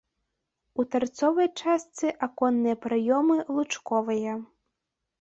У тарцовай частцы аконныя праёмы лучковыя.